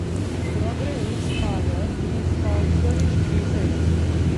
Brogren's father is of Swedish descent.